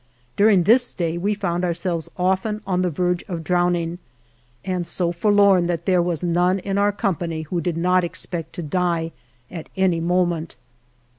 During this day we found ourselves often on the verge of drowning and so forlorn that there was none in our company who did not expect to die at any moment.